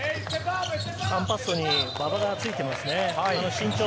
カンパッソに馬場がついてますね。